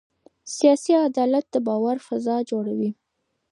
سیاسي عدالت د باور فضا جوړوي